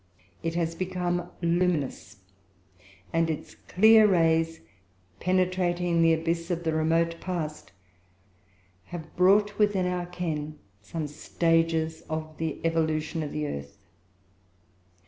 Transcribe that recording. It has become luminous, and its clear rays, penetrating the abyss of the remote past, have brought within our ken some stages of the evolution of the earth.